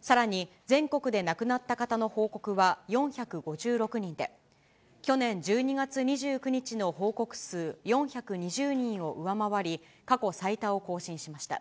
さらに全国で亡くなった方の報告は４５６人で、去年１２月２９日の報告数、４２０人を上回り、過去最多を更新しました。